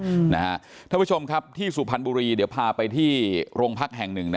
ท่านผู้ชมครับที่สุพรรณบุรีเดี๋ยวพาไปที่โรงพักแห่งหนึ่ง